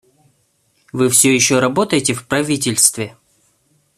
Вы всё еще работаете в правительстве?